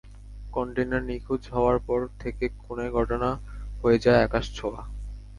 Container নিখোঁজ হওয়ার পর থেকে খুনের ঘটনা হয়ে যায় আকাশ ছোঁয়া।